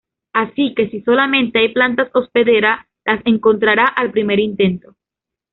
Así que si solamente hay plantas hospederas las encontrará al primer intento.